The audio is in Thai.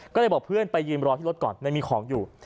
ก็เลยบอกเพื่อนไปยืนรอที่รถก่อนไม่มีของอยู่